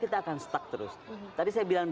kita akan stuck terus tadi saya bilang